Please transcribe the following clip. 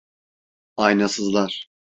Aynasızlar!